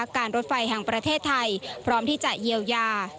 การรถไฟแห่งประเทศไทยพร้อมที่จะเยียวยา